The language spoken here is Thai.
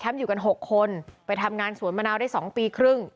อยู่กัน๖คนไปทำงานสวนมะนาวได้๒ปีครึ่ง